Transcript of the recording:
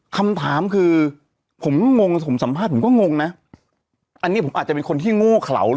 คำถามคือผมงงผมสัมภาษณ์ผมก็งงนะอันนี้ผมอาจจะเป็นคนที่โง่เขา